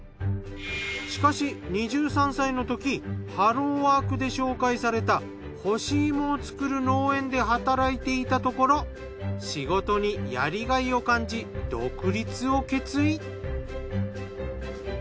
しかし２３歳のときハローワークで紹介された干し芋を作る農園で働いていたところ仕事にやりがいを感じ独立を決意。